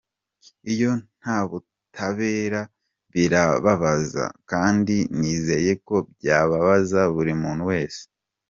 Iyo nta butabera birambabaza kandi nizeye ko byababaza buri muntu wese.